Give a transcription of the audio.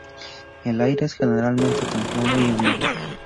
El aire es generalmente templado y húmedo.